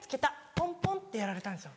ポンポンってやられたんですよ。